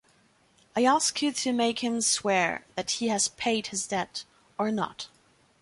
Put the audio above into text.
I ask you to make him swear that he has paid his debt, or not